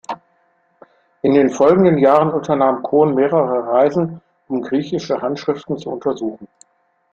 In den folgenden Jahren unternahm Cohn mehrere Reisen, um griechische Handschriften zu untersuchen.